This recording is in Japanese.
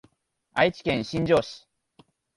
愛知県新城市